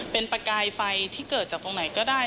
เป็นประกายไฟที่เกิดจากตรงไหนก็ได้